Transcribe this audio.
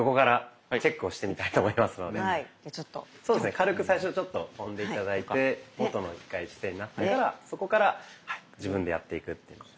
軽く最初ちょっと跳んで頂いて元の一回姿勢になってからそこから自分でやっていく。